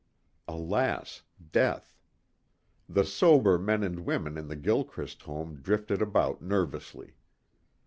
Alas, death. The sober men and women in the Gilchrist home drifted about nervously.